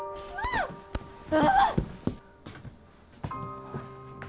ああ。